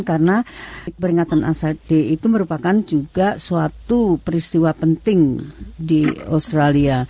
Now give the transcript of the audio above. karena peringatan ansar d itu merupakan juga suatu peristiwa penting di australia